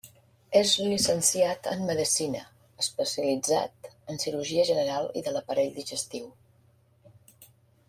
És llicenciat en medicina, especialitzat en cirurgia general i de l'aparell digestiu.